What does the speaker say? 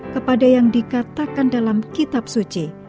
kepada yang dikatakan dalam kitab suci